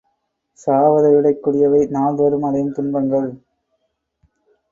சாவதைவிடக் கொடியவை நாள் தோறும் அடையும் துன்பங்கள்!